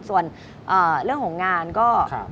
ส่วนเรื่องของงานก็